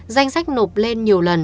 danh sách nộp lên nhiều lần